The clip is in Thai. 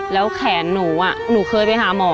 แล้วแขนหนูหนูเคยไปหาหมอ